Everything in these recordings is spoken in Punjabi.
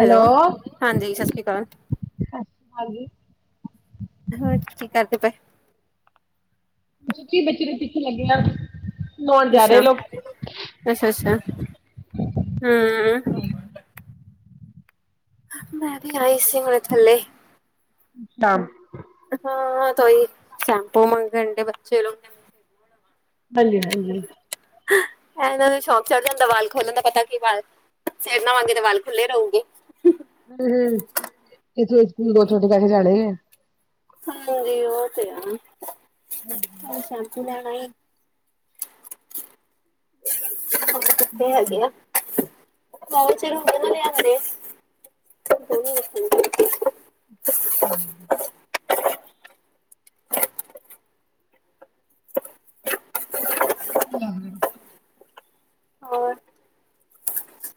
ਹੈਲੋ, ਹਾਂਜੀ, ਸਤਿ ਸ਼੍ਰੀ ਅਕਾਲ। ਸਤਿ ਸ਼੍ਰੀ ਆਕਾਲ ਜੀ। ਹੋਰ ਕੀ ਕਰਦੇ ਪਏ? ਬੱਚੇ ਦੇ ਪਿੱਛੇ ਲੱਗਿਆ। ਅੱਛਾ, ਅੱਛਾ-ਅੱਛਾ, ਹਾਂ। ਮੈਂ ਵੀ ਆਈ ਸੀ ਹੁਣੇ ਥੱਲੇ। ਨਾਮ [inaudible] ਹਾਂ ਤਾਂ ਈ ਸ਼ੈਂਪੂ ਮੰਗਣ ਡਏ ਬੱਚੇ ਲੋਕ ਹਾਂਜੀ-ਹਾਂਜੀ। ਇਹਨਾਂ ਨੂੰ ਸ਼ੋਕ ਚੜ ਜਾਂਦਾ ਵਾਲ ਖੋਲਣ ਦਾ ਪਤਾ ਕੀ ਵਾਲ, ਸਿਰ ਨਹਾਵਾਗੇ ਤੇ ਵਾਲ ਖੁੱਲ੍ਹੇ ਰਹੂਗੇ। ਹੂੰ-ਹੂੰ, [unintelligible] ਜਾਣੇ ਆ। ਹਾਂਜੀ ਉਹ ਤੇ ਆ। ਹੂੰ। ਉਹ ਸ਼ੈਪੂ ਲੈਣਾ ਈ। ਪਤਾ ਨੀਂ ਕਿੱਥੇ ਹੈਗੇ ਆ, [unintelligible] ਹੁੰਦੇ ਨਾਂ ਲਿਆ ਦਿੰਦੇ। [unintelligible] ਹੂੰ। ਲੱਗਣਾ। [inaudible] ਹੋਰ?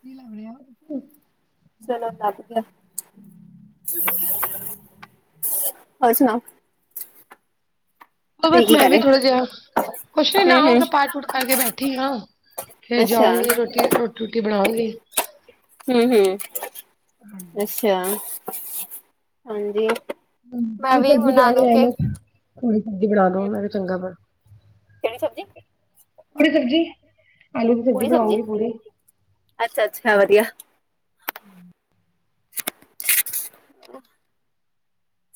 ਨੀਂ ਲੱਭ ਰਿਹਾ। [inaudible] ਚਲੋ ਲੱਭ ਗਿਆ, ਹੋਰ ਸੁਣਾਓ? ਉਹ ਤੁਸੀਂ ਬਸ ਕੀ ਮੈਂ ਕਰ ਰਹੇ ਵੀ ਥੋੜਾ ਜਿਹਾ, ਕੁਛ ਨੀਂ ਹਮ ਨਹਾ ਹੋ ਕੇ, ਹਮ ਪਾਠ-ਪੁਠ ਕਰਕੇ ਬੈਠੀ ਆਂ। ਫਿਰ ਜਾਉਂਗੀ ਰੋਟੀ, ਰੋਟੀ-ਰੂਟੀ ਬਣਾਉਂਗੀ। ਹੂੰ-ਹੂੰ। ਅੱਛਾ, ਹਾਂਜੀ। ਮੈਂ ਹੂੰ, ਵੀ ਸਬਜ਼ੀ ਹੁਣ ਕਹਿ ਆਨੂੰ ਕੇ ਰਿਹਾ, ਥੋੜ੍ਹੀ ਸਬਜ਼ੀ ਬਣਾ ਲੋ ਮੈ ਵੀ ਚੰਗਾ ਬ ਕਿਹੜੀ ਸਬਜ਼ੀ ਮੇਰੀ ਸਬਜ਼ੀ, ਆਲੂ ਦੀ ਸਬਜ਼ੀ ਬਣਾਉਗੀ ਪੂਰੀ। ਅੱਛਾ-ਅੱਛਾ ਵਧੀਆ। [unintelligible]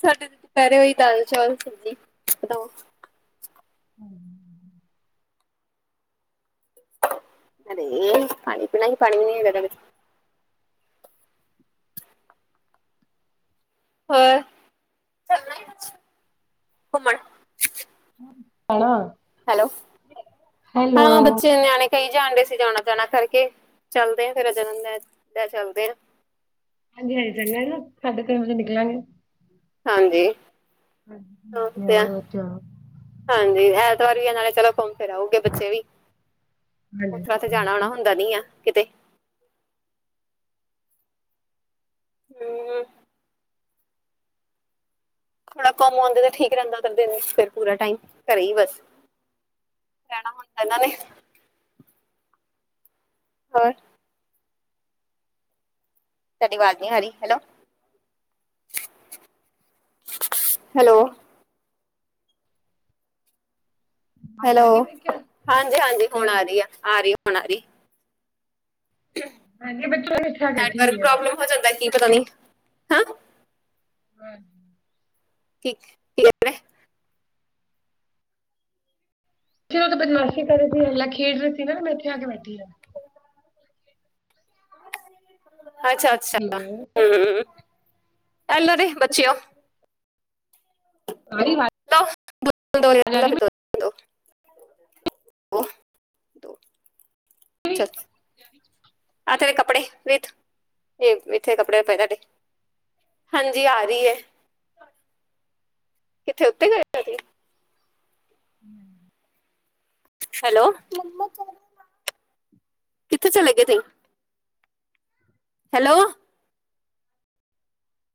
ਸਾਡੇ ਤੇ ਦੁਪਹਿਰੇ ਹੋਈ ਦਾਲ, ਚੌਲ, ਸਬਜ਼ੀ ਬਣਾਓ। [unintelligible] ਹੋਰ, ਚਲਣਾ ਏ ਸੱਚ ਘੁੰਮਣ। ਜਾਣਾ [inaudible] ਹੈਲੋ, ਹਾਂ ਬੱਚੇ ਨਿਆਣੇ ਕਈ ਜਾਣਦੇ ਸੀ ਜਾਣਾ-ਜਾਣਾ ਕਰਕੇ, ਚੱਲਦੇ ਹ ਫੇਰ ਜਨਮ ਲੈ ਲ ਚੱਲਦੇ ਆਂ ਹਾਂਜੀ-ਹਾਂਜੀ ਚੰਗਾ ਨਾ ਸਾਡੇ ਤਿੰਨ ਵਜੇ ਨਿਕਲਾਂਗੇ। ਹਾਂਜੀ ਹੈ ਹਾਂ ਬਾਕੀ ਤੇ ਆ ਉਹਦੇ ਵਿੱਚ ਹਾਂਜੀ ਐਤਵਾਰ ਵੀ ਆ ਨਾਲੇ ਚਲੋ ਘੁੰਮ ਫਿਰ ਆਓਗੇ ਬੱਚੇ ਵੀ ਹਾਂਜੀ ਤੇ ਜਾਣਾ-ਆਣਾ ਹੁੰਦਾ ਨੀ ਆ ਕਿਤੇ ਹੂੰ,,, ਥੋੜਾ ਘੁੰਮ ਆਉਂਦੇ ਤੇ ਠੀਕ ਰਹਿੰਦਾ ਕਰਦੇ ਫਿਰ ਪੂਰਾ ਟਾਈਮ ਘਰੇ ਈ ਬਸ ਰਹਿਣਾ ਹੁੰਦਾ ਇਹਨਾਂ ਨੇ ਹੋਰ ਤੁਹਾਡੀ ਆਵਾਜ਼ ਨੀ ਆਰੀ, ਹੈਲੋ, ਹੈਲੋ ਆਵਾਜ਼ ਆ ਰਹੀ ਹੈਲੋ, ਮੈਂ ਕਿਹਾ ਹਾਂਜੀ-ਹਾਂਜੀ ਹੁਣ ਖੈਰ ਆ ਰਹੀ ਆ, ਆ ਰਹੀ ਹੁਣ ਆ ਰਹੀ ਹਾਂਜੀ ਬੱਚੇ ਕਹਿੰਦੇ ਛੱਡ ਤੀ ਨੈਟਵਰਕ ਹੋਈ ਆ ਪ੍ਰੋਬਲਮ ਹੋ ਜਾਂਦਾ ਕੀ ਪਤਾ ਨੀ, ਹੈ [unintelligible] ਕਿੱਕ ਕੀ ਕਹਿੰਦੇ ਜਿੱਥੇ ਓਹ ਬਦਮਾਸੀ਼ ਕਰ ਰਹੇ ਸੀ ਪਹਿਲੇ ਖੇਡ ਰਹੇ ਸੀ ਨਾ ਮੈਂ ਇੱਥੇ ਆ ਕੇ ਬੈਠੀ ਹਾਂ। ਅੱਛਾ-ਅੱਛਾ ਹੈਲੋ ਹੂੰ ਹੂੰ ਐਲ ਜੇ ਬੱਚੇਓ ਪਾਣੀ ਹਰ [unintelligible] ਤੋਂ ਮੇਰੀ ਚਲ ਆ ਤੇਰੇ ਕੱਪੜੇ ਵੇਥ, ਏ ਇਥੇ ਕੱਪੜੇ ਪਏ ਤੁਹਾਡੇ ਹਾਂਜੀ ਆ ਰਹੀ ਹੈ, ਕਿੱਥੇ ਉਤੇ ਗਏ ਸੀ। [inaudible] ਹੈਲੋ, ਕਿੱਥੇ ਚਲੇ ਗਏ ਤੁਹੀ ਹੈਲੋ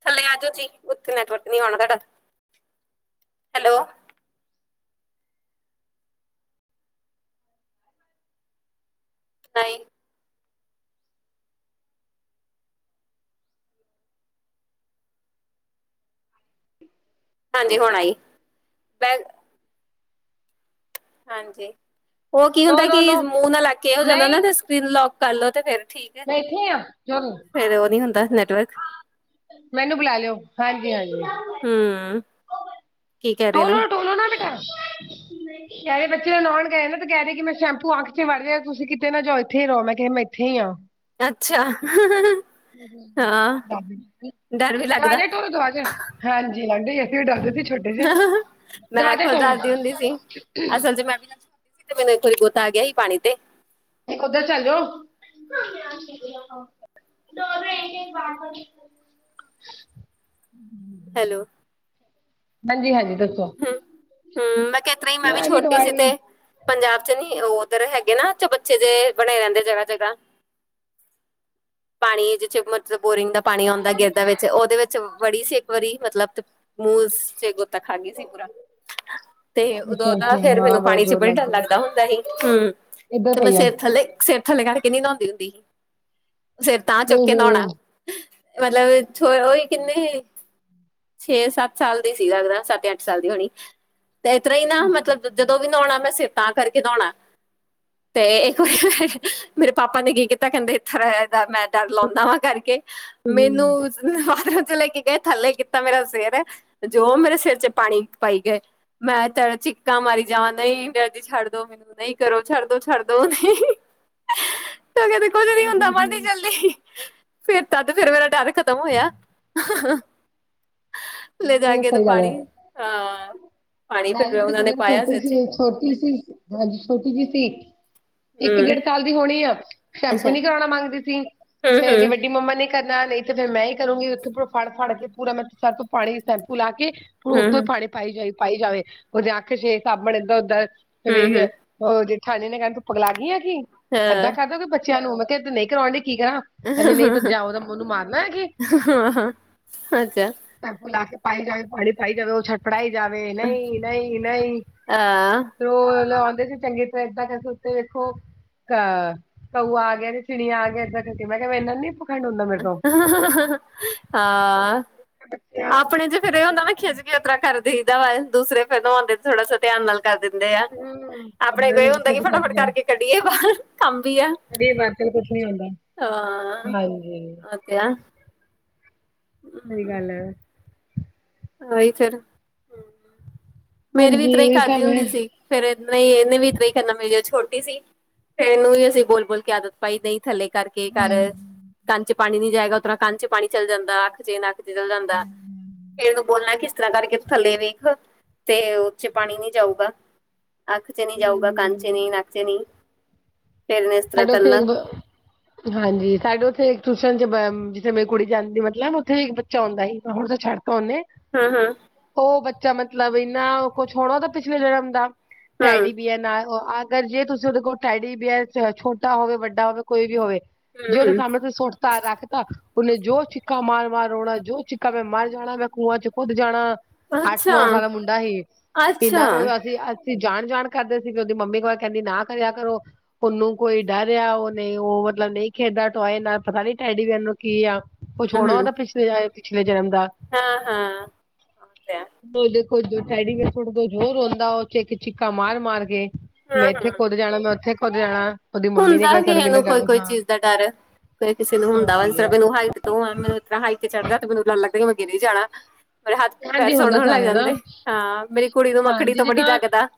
ਥੱਲੇ ਆ ਜੋ ਜੀ ਉੱਤੇ ਨੈਟਵਰਕ ਨਹੀਂ ਆਣਾ ਤੁਹਾਡਾ ਹੈਲੋ ਆਈ ਹਾਂਜੀ ਹੁਣ ਆਈ ਮੈਂ ਹਾਂਜੀ, ਓਹ ਕੀ ਨੋ ਹੁੰਦਾ ਨੋ ਕਿ ਨੋ ਮੂੰਹ ਨਾਲ ਲਾ ਕੇ ਹੋ ਜਾਂਦਾ ਨਾ ਨਹੀਂ ਤੇ ਸਕਰੀਨ ਲੋਕ ਕਰਲੋ ਤੇ ਫਿਰ ਠੀਕ ਹੈ, ਮੈਂ ਇੱਥੇ ਆ ਚਲੋ ਫਿਰ ਓਹ ਨੀ ਹੁੰਦਾ ਨੈਟਵਰਕ ਮੈਨੂੰ ਬੁਲਾ ਲਿਓ ਹਾਂਜੀ-ਹਾਂਜੀ ਹੂੰ,,, ਟੋਲੋ-ਟੋਲੋ ਨਾ ਬਿਠਾ [inaudible] ਕਹਿ ਰਹੀ ਬੱਚੇ ਨ੍ਹਾਉਣ ਗਏ ਨੇ ਤੇ ਕਹਿ ਰਹੇ ਕਿ ਮੈਂ ਸ਼ੈਂਪੂ ਅੱਖ ਚ ਮਾਰਿਆ ਤੁਸੀਂ ਕਿਤੇ ਨਾ ਜਾਓ ਇਥੇ ਹੀ ਰਹੋ ਮੈਂ ਕਿਹਾ ਮੈਂ ਇਥੇ ਹੀ ਆਂ ਅੱਛਾ। [unintelligible] ਹਾਂ ਡਰ ਵੀ ਲੱਗਦਾ ਤੁਹਾਡੇ ਕੋਲ ਗਾਜਰ ਹਾਂਜੀ ਹਾਂਜੀ ਇਥੇ ਜਾਂਦੇ ਸੀ ਛੁੱਟ ਮੈਂ ਖੁਦ ਦੱਸਦੀ ਹੁੰਦੀ ਸੀ, ਅਸਲ ਚ ਮੈਂ ਤੇ ਮੈਨੂੰ ਇੱਕ ਵਾਰੀ ਗੋਤਾ ਆਗਿਆ ਸੀ ਪਾਣੀ ਤੇ ਉਧਰ ਚੱਲ ਜੋ [unintelligible] ਹੈਲੋ ਹਾਂਜੀ-ਹਾਂਜੀ ਦੱਸ ਹੂਂ-ਹੂਂ ਮੈਂ ਕਿਆ ਇਤ ਰਈ ਮੈਂ ਵੀ ਛੋਟੀ ਸੀ ਤੇ ਪੰਜਾਬ ਚ ਨੀ ਉਹ ਉੱਧਰ ਹੈਗੇ ਨਾ ਚਬੱਚੇ ਜੇਹੇ ਬਨੇ ਰਹਿੰਦੇ ਜਗ੍ਹਾ-ਜਗ੍ਹਾ [inaudible] ਪਾਣੀ ਜਿੱਥੇ ਮਤਲਬ ਬੋਰਿੰਗ ਦਾ ਪਾਣੀ ਆਉਂਦਾ ਗਿਰਦਾ ਵਿੱਚ ਉਹਦੇ ਵਿੱਚ ਵੜੀ ਸੀ, ਇੱਕ ਵਾਰੀ ਮਤਲਬ ਮੂ ਸੇ ਗੋਤਾ ਖਾਗੀ ਸੀ ਪੂਰਾ ਤੇ ਉਦੋਂ ਦਾ ਫੇਰ ਮੈਨੂੰ ਪਾਣੀ ਚ ਬੜੀ ਡਰ ਲੱਗਦਾ ਹੁੰਦਾ ਹੀ ਹੰ ਤੇ ਮੈਂ ਸਿਰ ਥੱਲੇ ਸਿਰ ਥੱਲੇ ਕਰਕੇ ਨਹੀਂ ਨਹਾਉਂਦੀ ਹੁੰਦੀ, ਸਿਰ ਤਾਂ ਚੁੱਕ ਕੇ ਨੋਓਣਾ ਮਤਲਬ ਛੋ ਉਹੀ ਕਿੰਨੇ ਛੇ ਸੱਤ ਸਾਲ ਦੀ ਸੀਗਾ ਲਗਦਾ ਸੱਤ ਅੱਠ ਸਾਲ ਦੀ ਹੋਣੀ ਤੇ ਇਸ ਤਰ੍ਹਾਂ ਹੀ ਨਾ ਮਤਲਬ ਜਦੋਂ ਵੀ ਨੋਓਣਾ ਮੈਂ ਸਿਰ ਤਾਂ ਕਰਕੇ ਨੋਓਣਾ [inaudible] ਤੇ ਇੱਕ ਵਾਰੀ ਮੇਰੇ ਪਾਪਾ ਨੇ ਕੀ ਕੀਤਾ ਕਹਿੰਦੇ ਇੱਥੇ ਰ ਦਾ ਮੈਂ ਡਰ ਲਾਉਂਦਾ ਵਾਂ ਕਰਕੇ ਮੈਨੂੰ ਚ ਲੈ ਕੇ ਗਏ ਥੱਲੇ ਕੀਤਾ ਮੇਰਾ ਸਿਰ ਜੋ ਮੇਰੇ ਸਿਰ ਚ ਪਾਣੀ ਪਾਈ ਗਏ ਮੈਂ ਤੇ ਚੀਕਾਂ ਮਾਰੀ ਜਾਵਾਂ ਨਹੀਂ ਡਰਦੀ ਛੱਡ ਦੋ ਮੈਨੂੰ ਨਹੀਂ ਕਰੋ ਛੱਡ ਦੋ ਛੱਡ ਦੋ ਨਹੀਂ ਤਾਂ ਕਦੇ ਕੁਝ ਨ ਹੁੰਦਾ ਮਰਦੀ ਜਲਦੀ, ਫਿਰ ਤਾ ਤੇ ਫਿਰ ਮੇਰਾ ਡਰ ਖਤਮ ਹੋਇਆ ਲੈ ਜਾਗੇ ਤੇ ਪਾਣੀ ਹਾਂ ਪਾਣੀ ਮੈਂ ਵੀ ਫਿਰ ਬੜੀ ਉਹਨਾਂ ਨੇ ਕੁੜੀਆਂ ਨੂੰ ਪਾਇਆ ਸਿਰ ਛੋਟੀ 'ਚ ਸੀ ਛੋਟੀ ਸੀ, ਹਾਂਜੀ ਛੋਟੀ ਜਿਹੀ ਸੀ, ਇੱਕ ਹੂੰ ਡੇਢ ਸਾਲ ਦੀ ਹੋਣੀ ਆ ਸ਼ੈਂਪੂ ਅੱਛਾ ਨੀ ਕਰਾਉਣਾ ਮੰਗਦੀ ਸੀ, ਹੂੰ ਫੇਰ ਦੀ ਹੂੰ ਵੱਡੀ ਡੀ ਮੰਮਾ ਨੇ ਕਰਨਾ ਨਹੀਂ ਤੇ ਫਿਰ ਮੈਂ ਹੀ ਕਰੂੰਗੀ ਉੱਥੇ ਫੜ-ਫੜ ਕੇ ਪੂਰਾ ਮ ਤੋਂ ਪਾਣੀ ਸੈਂਪੂ ਲਾ ਕੇ ਉੱਥੋਂ ਹੀ ਹੂੰ ਪਾਣੀ ਪਾਈ ਜਾਏ ਪਾਈ ਜਾਵੇ ਉਹਦੇ ਅਖ ਛੇ ਸਾਬਣ ਏਦਾਂ-ਓਦਾਂ ਹੂੰ ਕਿਵੇ ਹੂੰ ਉਹ ਜੇਠਾਣੀ ਨੇ ਕਹਿਣ ਤੂੰ ਪਗਲਾ ਗਈ ਏ ਕੀ ਏਦਾਂ ਹਾਂ ਕਰਦਾ ਕੋਈ ਬੱਚਿਆਂ ਨੂੰ ਮੈਂ ਕਿਹਾ ਨਹੀਂ ਕਰਾਉਣ ਡੀ ਕੀ ਕਰਾਂ ਕਹਿੰਨੀ ਨਹੀਂ ਤਾਂ ਜਾਓ ਤਾਂ ਮੈ ਉਹਨੂੰ ਮਾਰਨਾ ਹੈਗੀ ਹਾਂ ਹਾਂ ਅਛਾ ਪਾੲਪ ਲਾ ਕੇ ਪਾਈ ਜਾਵੇ ਪਾਣੀ ਪਾਈ ਜਾਵੇ ਉਹਛਾਟ ਪੜਾਈ ਜਾਵੇ ਨਹੀਂ ਨਹੀਂ ਨਹੀਂ ਅਹ ਰੋਜ਼ ਲਗਾਉਂਦੇ ਸੀ ਚੰਗੀ ਤਰ੍ਹਾਂ ਏਦਾਂ ਕਰਕੇ ਉੱਤੇ ਵੇਖੋ ਅਹ ਘਊ ਆ ਗਿਆ ਤੇ ਚਿੜੀਆਂ ਆ ਗਿਆ ਏਦਾ ਕਰ ਮੈਂ ਕਿਹਾ ਇਨਾ ਨੀ ਪਖੰਡ ਹੁੰਦਾ ਮੇਰੇ ਤੋਂ ਹਾਂ ਬੱਚਿਆਂ ਆਪਣੇ ਚ ਫਿਰ ਇਹ ਹੁੰਦਾ ਨਾ ਖਿੱਚ ਕੇ ਉਤਰਾ ਕਰਦੇ ਦੂਸਰੇ ਫੈਦਾ ਵਾਉਂਦੇ ਤੇ ਥੋੜਾ ਸਾ ਧਿਆਨ ਨਾਲ ਕਰ ਦਿੰਦੇ ਆ ਨੂੰ ਹੂੰ ਆਪਣੇ ਕੋ ਇਹ ਨੂੰ ਹੁੰਦਾ ਕਿੱਥੇ ਕਿ ਦਿਖਾ ਕੇ ਫਟਾਫਟ ਜਾਏ ਕਰਕੇ ਕੱਢੀਏ ਬਾਹਰ ਕੰਮ ਵੀ ਆ [unintelligible] ਕੁਛ ਨੀ ਆਉਂਦਾ ਹਾਂ ਹਾਂਜੀ ਉਹ ਤੇ ਆ ਸਹੀ ਗੱਲ ਐ ਆਈ ਫਿਰ ਮੇਰੀ ਵੀ ਹਾਂਜੀ ਤਰ੍ਹਾਂ ਹੀ ਉਹੀ ਖਾਦੀ ਸਭ ਹੈ। ਹੁੰਦੀ ਸੀ ਫੇਰ ਇਹਨਾ ਹੀ ਇਹਨੇ ਵੀ ਇਤਰਾ ਹੀ ਕਰੰਨਾ ਮੇਰੀ ਛੋਟੀ ਸੀ ਫਿਰ ਇਹਨੂੰ ਵੀ ਅਸੀਂ ਬੋਲ ਬੋਲ ਕੇ ਆਦਤ ਪਾਈ ਦੇਈ ਥੱਲੇ ਕਰਕੇ ਘਰ ਹਾਂਜੀ ਕੰਨ ਚ ਪਾਣੀ ਨੀ ਜਾਏਗਾ ਉਤਰਾਂ ਕੰਨ ਚ ਪਾਣੀ ਚੱਲ ਜਾਂਦਾ ਅਖਜੇ ਨਾ ਚਲ ਜਾਂਦਾ ਫੇਨੂੰ ਬੋਲਣਾ ਕਿਸ ਤਰ੍ਹਾਂ ਕਰਕੇ ਥੱਲੇ ਵੇਖ ਤੇ ਉਥੇ ਪਾਣੀ ਨੀ ਜਾਊਗਾ ਅੱਖ ਚ ਨਹੀਂ ਜਾਊਗਾ ਕੰਨ ਚ ਨਹੀਂ ਹੂੰ ਨਕ ਚ ਨਹੀਂ ਫੇਰ ਨੇ ਇਸ ਤਰ੍ਹਾਂ ਐਡੋ ਕਰਨਾ ਥੋਕ ਬ ਹਾਂਜੀ ਸਾਡੇ ਉੱਥੇ ਇੱਕ ਟਿਊਸ਼ਨ ਚ ਜਿੱਥੇ ਮੇਰੀ ਕੁੜੀ ਜਾਂਦੀ ਮਤਲਬ ਉੱਥੇ ਇੱਕ ਬੱਚਾ ਆਉਂਦਾ ਸੀ ਹੁਣ ਤਾਂ ਛੱਡ ਕੋਨੇ ਹੰ ਹੰ ਉਹ ਬੱਚਾ ਮਤਲਬ ਇੰਨਾ ਕੁਛ ਹੋਣਾ ਓਦਾ ਪਿਛਲੇ ਜਨਮ ਦਾ ਹੂੰ ਟੈਡੀ ਬੀਅਰ ਨਾਲ ਆਗਰ ਜੇ ਤੁਸੀਂ ਉਹਦੇ ਕੋਲ ਟੈਡੀ ਬੀਅਰ ਚਾਹੇ ਛੋਟਾ ਹੋਵੇ- ਵੱਡਾ ਹੋਵੇ -ਕੋਈ ਵੀ ਹੋਵੇ, ਜੇ ਹੂੰ ਓਦੇ ਹੂੰ ਸਾਮਣੇ ਤੁਸੀਂ ਸੁ ਤਾ ਰੱਖਤਾ, ਓਨੇ ਜੋ ਚਿੱਕਾ ਮਾਰ -ਮਾਰ ਰੋਣਾ ਜੋ ਚਿੱਕਾ ਮੈਂ ਮਰ ਜਾਣਾ ਮੈਂ ਕੂਆ ਚ ਕੋਦ ਜਾਣਾ। ਅੱਠ ਅੱਛਾ ਨੌ ਸਾਲ ਦਾ ਮੁੰਡਾ ਸੀ, ਅੱਛਾ ਏਨਾਂ ਨੂੰ ਅਸੀਂ ਅਸੀਂ ਜਾਣ-ਜਾਣ ਕਰਦੇ ਸੀ ਵੀ ਓਦੀ ਮੰਮੀ ਕੋਲ ਕੇਂਦੀ ਨਾ ਕਰੇਆ ਕਰੋ। ਓਨੂੰ ਕੋਈ ਡਰ ਆ ਓ ਨਈ ਓ ਮਤਲਬ ਨਈ ਖੇਡਦਾ ਟੂਆਏ ਨਾਲ ਪਤਾ ਨੀ ਟੈਡੀਵੇਅਰ ਨੂੰ ਕੀ ਆ। ਕੁਛ ਹੋਣਾ ਓਦਾ ਪਿਛਲੇ ਏ ਪਿਛਲੇ ਜਨਮ ਦਾ। ਹਾਂ-ਹਾਂ। ਓਦੇ ਕੋਲ ਜਦੋ ਟੈਡੀਵੇਅਰ ਸੁੱਟ ਦੋ ਜ਼ੋ ਰੋਂਂਦਾ ਓ ਚੇਕ-ਚਿੱਕਾ ਮਾਰ-ਮਾਰ ਕੇ ਮੈਂ ਹੂੰ ਏਥੇ ਹੂੰ ਕੋਦ ਜਾਣਾ-ਮੈਂ ਓੱਥੇ ਕੋਦ ਜਾਣਾ। ਉਹਦੀ ਮੰਮੀ ਨੇ ਹੁੰਦਾ ਕਦੇ ਸਾਨੂੰ ਕਿਸੇ ਨੂੰ ਕਹਿੰਦਾ ਕੋਈ-ਕੋਈ ਹਾਂ ਚੀਜ਼ ਦਾ ਡਰ, ਕੋਈ ਕਿਸੇ ਨੂੰ ਹੁੰਦਾ ਹਾਂਜੀ ਵਾ ਮੈਨੂੰ ਹ ਤੇ ਓ ਆ ਮੈਨੂੰ ਇਤਰ੍ਹਾਂ ਹਾਈ ਤੇ ਚੜ੍ਹਦਾ ਤੇ ਮੈਨੂੰ ਡਰ ਲੱਗਦਾ ਮੈਂ ਗੀਰ ਈ ਜਾਣਾ। ਮੇਰੇ ਹੱਥ ਪੈਰ ਹਾਂਜੀ ਸੋਣ ਹੁੰਦਾ ਹੋਣ ਲੱਗ ਸਾਰਿਆਂ ਦਾ ਜਾਂਦੇ ਹਾਂ, ਮੇਰੀ ਕੁੜੀ ਨੂੰ ਮੱਖੜੀ ਹਾਂਜੀ ਤੋਂ ਬੜੀ ਜਿੱਦਾਂ ਡਰ ਲੱਗਦਾ।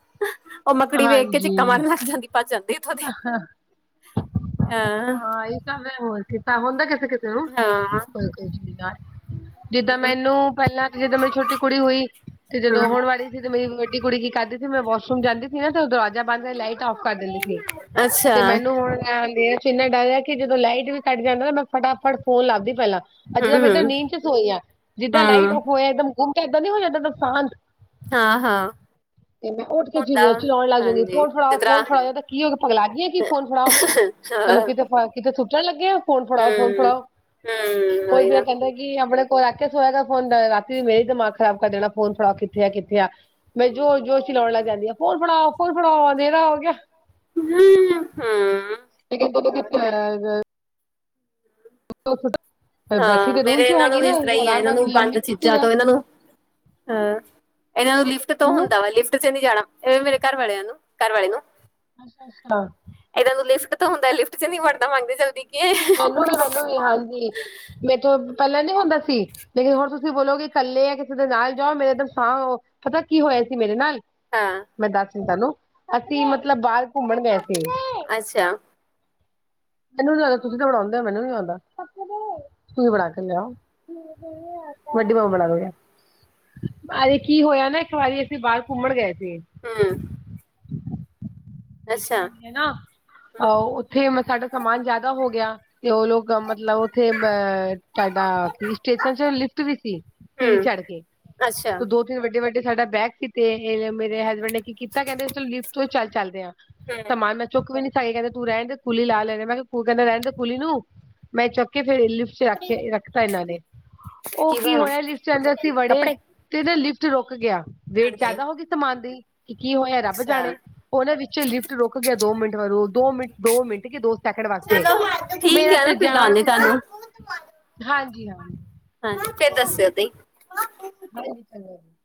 ਉਹ ਮੱਕੜੀ ਵੇਖ ਕੇ ਚਿੱਕਾ ਮਾਰਨ ਲੱਗ ਜਾਂਦੀ ਭੱਜ ਜਾਂਦੀ। ਇੱਥੋਂ ਦੀ ਅਹ, ਹਾਂ ਏ ਤਾਂ ਮੈ ਬੋਲ ਦਿੱਤਾ, ਹੁਣ ਤਾਂ ਹੁੰਦਾ ਕਿ-ਕਿ ਕਿਓ, ਹਾਂ ਹੋਰ ਕੁੱਛ ਵੀ ਕਾਰ ਜਿੱਦਾਂ ਮੈਨੂੰ ਪੇਲਾਂ ਜਿੱਦਾਂ ਮੇਰੀ ਛੋਟੀ ਕੁੜੀ ਹੋਈ, ਤੇ ਜਦੋਂ ਹਮ ਹੋਣ ਵਾਲੀ ਸੀ ਤੇ ਮੇਰੀ ਛੋਟੀ ਕੁੜੀ ਕੀ ਕਰਦੀ ਸੀ ਮੈਂ ਵਾਸ਼ਰੂਮ ਜਾਂਦੀ ਸੀ ਨਾ ਤੇ ਓ ਦਰਵਾਜ਼ਾ ਬੰਦ ਕਰਕੇ ਲਾਈਟ ਔਫ ਕਰ ਦਿੰਦੀ ਸੀ। ਅੱਛਾ ਤੇ ਮੈਨੂੰ ਹੁਣ ਨੇਰੇ ਚ ਏਂਨਾ ਡਰ ਆ ਕਿ ਜਦੋਂ ਲਾਈਟ ਵੀ ਕੱਟ ਜਾਂਦੀ ਨਾ ਮੈਂ ਫਟਾਫਟ ਫੋਨ ਲੱਭਦੀ ਪੇਲਾਂ। ਅ ਜਿਦਾਂ ਮੈਂ ਏਦਾ ਹਮ ਹਮ ਨੀਂਦ ਚ ਸੋਈ ਆ, ਜਿੱਦਾਂ ਲਾਈਟ ਹਮ ਹੋਏ ਇੱਕ-ਦਮ ਗੁੰਮ ਕੇ ਏਦਾਂ ਨੀ ਹੋ ਜਾਂਦਾ ਸੁਨਸਾਨ ਹਾਂ ਹਾਂ ਤੇ ਮੈਂ ਉੱਠ ਕੇ ਹੁੰਦਾ ਚੀਲੋ -ਚੀਲੋਣ ਲੱਗ ਜਾਂਦੀ ਹਾਂਜੀ ਫੋਨ ਫੜਾਓ ਜਿਸ ਤਰ੍ਹਾਂ ਫੋਨ ਫੜਾ ਜਾਂ ਦੇ ਕੀ ਹੋ ਪਗਲਾ ਗਈਏ ਕੀ ਫੋਨ ਫੜਾ ਹਾਂ ਤੈਨੂੰ ਕਿਤੇ-ਕਿਤੇ ਸੁਟਣ ਲੱਗੇ ਆ। ਫੋਨ ਫੜਾਓ, ਫੋਨ ਹਮ ਫੜਾਓ ਹਮ ਓਈ ਉਹੀ ਫੇਰ ਏ ਨਾ ਕੇਂਦੇ ਕੀ ਆਪਣੇ ਕੋਲ ਰੱਖ ਕੇ ਸੋਏਆ ਕਰ ਫੋਨ ਰਾਤੀ ਮੇਰਾ ਈ ਦਿਮਾਗ ਖਰਾਬ ਕਰ ਦੇਣਾ ਫੋਨ ਫੜਾਓ ਕਿੱਥੇ ਆ-ਕਿੱਥੇ ਆ ਮੈਂ ਜੋਰ- ਜੋਰ ਚਲੋਣ ਲੱਗ ਜਾਂਨੀ ਆ, ਫੌਨ ਫੜਾਓ- ਫੋਨ ਫੜਾਓ ਅਨਧੇਰਾ ਹੋ ਗੇਆ- ਹੂੰ ਏ ਕੇਂਦੇ ਓੰਨੂ ਕੀ ਪੜਾ ਕਰ। ਹਾਂ ਬੈਠੀ ਤੇ ਰੂਮ ਮੇਰੇ ਚ ਏਨਾਂ ਨੂੰ ਹੈਗੀ ਵੀ ਨਾ ਇਸ ਤਰਾਂ ਈ ਆ, ਆਰਾਮ ਏਨਾਂ ਨਾਲ ਨੂੰ ਵੀ ਲੰਮੀ ਬੰਦ ਕਿੱਥੇ ਚੀਜਾਂ ਰਹਿ ਤੋਂ ਏਨਾਂ ਨੂੰ- ਹਾਂ, ਏਨਾਂ ਨੂੰ ਲਿਫਟ ਤੋਂ ਮੈਨੂੰ ਹੁੰਦਾ ਵਾ ਲਿਫਟ ਚ ਨਈ ਜਾਣਾ ਏ ਮੇਰੇ ਘਰ ਵਾਲੇਆਂ ਨੂੰ ਘਰ ਵਾਲੇ ਨੂੰ- ਅੱਛਾ -ਅੱਛਾ। ਏਦਾਂ ਤੂ ਲਿਫਟ ਤੋ ਹੁੰਦਾ ਲਿਫਟ ਚ ਨੀ ਵਰਦਾ ਮਾਂਜਾ ਜਲਦੀ- ਕਿ ਮੈਨੂੰ ਵੀ ਮੈਨੂੰ ਵੀ ਹਾਂਜੀ, ਮੇਥੋ ਪੇਲਾਂ ਨੀ ਹੁੰਦਾ ਸੀ ਲੇਕਿਨ ਹੁਣ ਤੁਸੀਂ ਬੋਲੋਗੇ ਕਿ ਇਕੱਲੇ ਆ ਕਿਸੇ ਦੇ ਨਾਲ ਜਾਓ ਮੇਰੇ ਏਧਰ ਸਾਹ ਪਤਾ ਕੀ ਹੋਏਆ ਸੀ ਮੇਰੇ ਨਾਲ- ਹਾਂ- ਮੈਂ ਦੱਸ ਦੀਂਨੀ ਤਾਨੂੰ, ਅਸੀਂ ਮਤਲਬ ਬਾਰ ਘੁੰਮਣ ਗਏ ਸੀਗੇ ਅੱਛਾ- ਮੈਨੂੰ ਨੀ ਲੱਗਦਾ ਤੁਸੀਂ ਤਾਂ ਬਣਾਂਦੇ ਓ ਮੈਨੂੰ ਨੀ ਲੱਗਦਾ, ਤੁਸੀਂ ਬਣਾ ਕੇ ਲਿਆਓ। ਵੱਡੀ ਮੰਮਾ ਬਣਾਦੁ ਗੇ। ਅਰੇ ਕੀ ਹੋਏਆ ਨਾ ਇੱਕ ਵਾਰੀ ਅਸੀਂ ਬਾਰ ਘੁੰਮਣ ਗਏ ਸੀਗੇ ਹੂੰ ਲਿਖਿਆ ਈ ਅੱਛਾ ਆ। ਹੈਨਾ, ਅਹ ਓੱਥੇ ਮ ਸਾਡਾ ਸਮਾਨ ਜਾਦਾ ਹੋ ਗੇਆ ਤੇ ਓ ਲੋਗ ਮਤਲਬ- ਤੇ ਮ ਤਾਡਾ ਕੀ ਸਟੇਸ਼ਨ ਚ ਲਿਫਟ ਵੀ ਸੀ ਸੀੜੀ ਹੂੰ ਚੜ ਕੇ। ਅੱਛਾ। ਦੋ ਤੇ ਵੱਡੇ -ਵੱਡੇ ਸਾਡਾ ਬੈਗ ਸੀ ਤੇ ਏ ਮੇਰੇ ਹਸਬੈਂਡ ਨੇ ਕੀ ਕੀਤਾ ਕੇਂਦੇ ਲਿਫਟ ਤੋਂ ਚੱਲ-ਚਲਦੇ ਆ ਹੂੰ ਸਮਾਨ ਮੈਂ ਚੁੱਕ ਵੀ ਨੀ ਸਕਦੀ ਕੇਂਦੇ ਤੂੰ ਰੈਣ ਦੇ ਕੁਲੀ ਲਾ ਲੇਆ, ਮੈ ਕੇਆ, ਕੇਂਦੇ ਰੈਣ ਦੇ ਕੁੱਲੀ ਨੂੰ ਮੈਂ ਚੁੱਕ ਕੇ ਫੇਰ ਲਿਪਸ'ਚ ਰੱਖਕੇ, ਰੱਖਤਾ ਇਹਨਾਂ ਨੇ। ਉਹ ਕੀ ਹੋਇਆ ਲਿਫਟ 'ਚ ਜਦ ਅਸੀਂ ਵੜੇ- ਕੱਪੜੇ ਤੇ ਇਹਦਾ ਲਿਫਟ ਰੁਕ ਗਿਆ, ਵੇਟ ਹਾਂਜੀ ਜ਼ਿਆਦਾ ਹੋ ਗਈ ਸਮਾਨ ਦੀ, ਕਿ, ਕੀ ਹੋਇਆ ਰੱਬ ਅੱਛਾ ਜਾਣੇ ਉਹਨਾਂ ਵਿੱਚ- ਲਿਫਟ ਰੁਕ ਗਿਆ ਦੋ ਮਿੰਟ ਵਰੂ ਦੋ ਮਿੰਟ, ਦੋ ਮਿੰਟ ਕੀ ਦੋ ਸੈਂਕੜ ਵਾਸਤੇ। ਚਲੋ ਠੀਕ ਮੇਰਾ ਹੈ ਤੇ ਨਾ ਫਿਰ ਜਾਣ ਲਾਉਂਦੇ ਉੱਤੇ, ਤੁਹਾਨੂੰ ਹਾਂਜੀ। ਹਾਂਜੀ, ਫਿਚ ਦੱਸਿਓ ਤੁਹੀ। ਹਾਏ